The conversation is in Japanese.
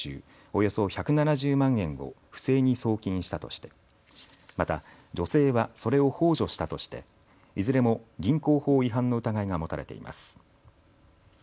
およそ１７０万円を不正に送金したとして、また女性はそれをほう助したとしていずれも銀行法違反の疑いが持たれています。